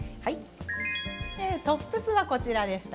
トップスは、こちらでした。